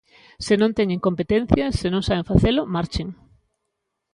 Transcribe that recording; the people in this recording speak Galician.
Se non teñen competencias, se non saben facelo, marchen.